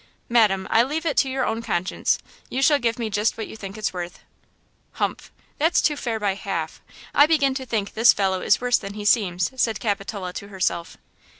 "Madam, I leave it to your own conscience! You shall give me just what you think it's worth." "Humph! that's too fair by half! I begin to think this fellow is worse than he seems!" said Capitola to herself.